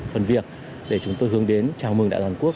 phần việc để chúng tôi hướng đến chào mừng đại hội hàn quốc